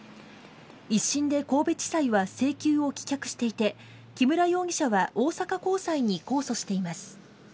１審で神戸地裁は請求を棄却していて、木村容疑者は大阪高裁に控訴しています。